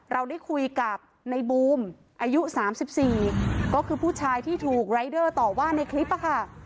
เราได้คุยกับในบูมอายุ๓๔ก็คือผู้ชายที่ถูกรายเดอร์ต่อว่าในคลิปค่ะ